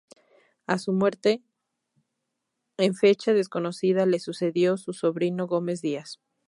A su muerte en fecha desconocida, le sucedió su sobrino Gómez Díaz.